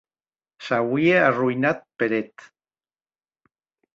S’auie arroïnat per eth.